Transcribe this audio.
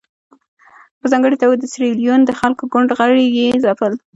په ځانګړې توګه د سیریلیون د خلکو ګوند غړي یې ځپل.